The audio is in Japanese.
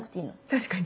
確かに。